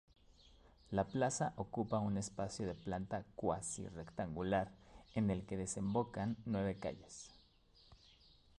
La plaza ocupa un espacio de planta cuasi-rectangular en el que desembocan nueve calles.